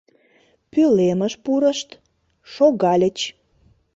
Пӧлемыш пурышт, шогальыч.